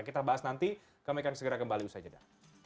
kita bahas nanti kami akan segera kembali usai jeda